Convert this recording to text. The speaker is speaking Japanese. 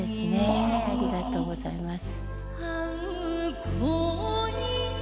ありがとうございます。